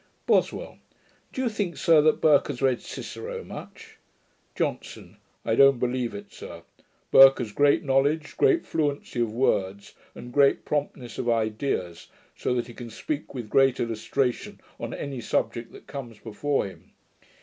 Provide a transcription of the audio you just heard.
BOSWELL. 'Do you think, sir, that Burke has read Cicero much?' JOHNSON. 'I don't believe it, sir. Burke has great knowledge, great fluency of words, and great promptness of ideas, so that he can speak with great illustration on any subject that comes before him.